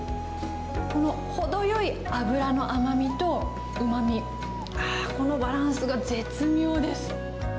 この程よい脂の甘みとうまみ、ああ、このバランスが絶妙です。